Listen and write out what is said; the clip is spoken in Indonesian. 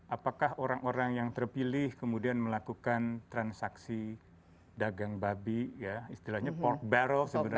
apakah orang orang yang terpilih kemudian melakukan transaksi dagang babi ya istilahnya port batrol sebenarnya